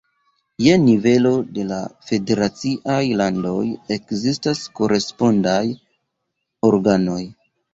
Je nivelo de la federaciaj landoj ekzistas korespondaj organoj.